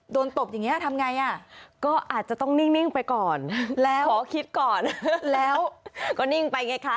ตบอย่างนี้ทำไงอ่ะก็อาจจะต้องนิ่งไปก่อนแล้วขอคิดก่อนแล้วก็นิ่งไปไงคะ